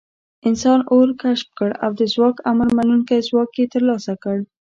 انسان اور کشف کړ او د ځواک امرمنونکی ځواک یې تر لاسه کړ.